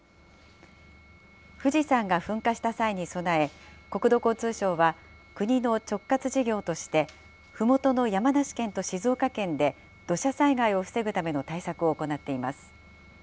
富士山が噴火した際に備え、国土交通省は国の直轄事業として、ふもとの山梨県と静岡県で土砂災害を防ぐための対策を行っています。